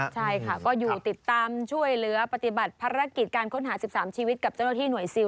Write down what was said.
ใช่ค่ะก็อยู่ติดตามช่วยเหลือปฏิบัติภารกิจการค้นหา๑๓ชีวิตกับเจ้าหน้าที่หน่วยซิล